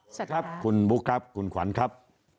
สวัสดีครับคุณบุ๊คครับคุณขวัญครับ